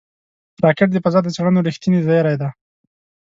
راکټ د فضا د څېړنو رېښتینی زېری دی